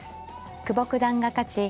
久保九段が勝ち